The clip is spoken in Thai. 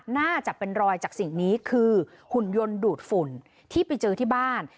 น่าจะเป็นรอยจากสิ่งนี้คือหุ่นยนต์ดูดฝุ่นที่ไปเจอที่บ้าน